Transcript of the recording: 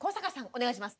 お願いします。